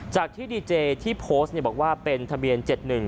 จากที่ดีเจที่โพสต์บอกว่าเป็นทะเบียน๗๑